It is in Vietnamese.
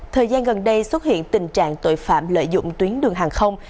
thời gian gần đây xuất hiện tình trạng tội phạm lợi dụng tuyến đường hàng không